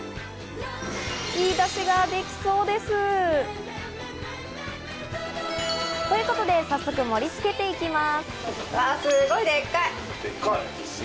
いいダシができそうです。ということで早速、盛り付けていきます。